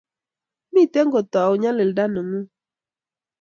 Miten kotau nyalilda nengung